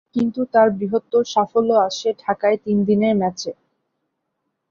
কিন্তু তার বৃহত্তর সাফল্য আসে ঢাকায় তিন দিনের ম্যাচে।